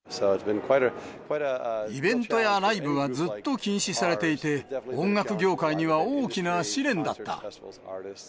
イベントやライブはずっと禁止されていて、音楽業界には大きな試練だった。